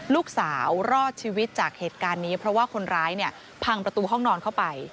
ลูกสาวรอดชีวิตจากเหตุการณ์นี้เพราะว่าคนร้ายเนี่ยพังประตูห้องนอนเข้าไป